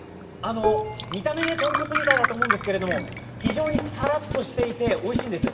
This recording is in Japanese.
見た目で豚骨みたいだと思うんですけれども、非常にさらっとしていて、おいしいんです。